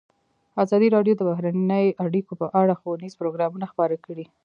ازادي راډیو د بهرنۍ اړیکې په اړه ښوونیز پروګرامونه خپاره کړي.